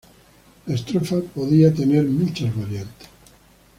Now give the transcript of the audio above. La estrofa podía tener muchas variantes.